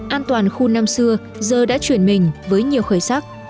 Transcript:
an toàn khu năm xưa giờ đã chuyển mình với nhiều khởi sắc